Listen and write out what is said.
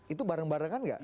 itu bareng barengan nggak